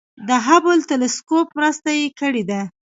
د هبل تلسکوپ مرسته یې کړې ده.